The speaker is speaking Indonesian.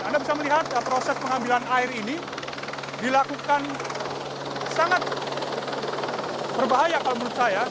anda bisa melihat proses pengambilan air ini dilakukan sangat berbahaya kalau menurut saya